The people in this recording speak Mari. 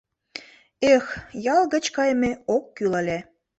Эх, ял гыч кайме ок кӱл ыле!